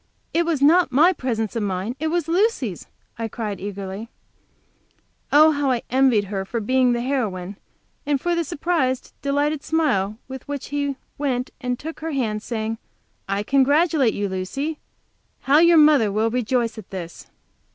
"It was not my presence of mind, it was Lucy's!" I cried, eagerly. Oh, how I envied her for being the heroine, and for the surprised, delighted smile with which he went and took her hand, saying, "I congratulate you, Lucy! How your mother will rejoice at this!"